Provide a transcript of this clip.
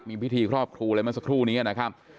มีพิธีครอบครูอะไรเมื่อสักครู่นี้นะครับ